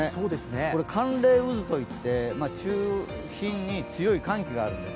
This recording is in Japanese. これは寒冷渦といって、中心に強い寒気があるんです。